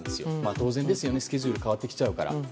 当然ですよね、スケジュールが変わってきちゃうから。